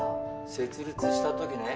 設立したときね